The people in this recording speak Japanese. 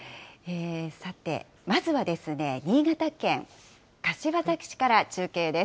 さて、まずはですね、新潟県柏崎市から中継です。